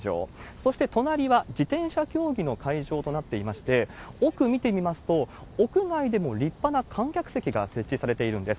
そして隣は自転車競技の会場となっていまして、奥見てみますと、屋外でも立派な観客席が設置されているんです。